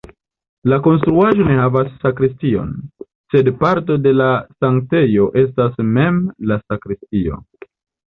La konstruaĵo ne havas sakristion, sed parto de la sanktejo estas mem la sakristio.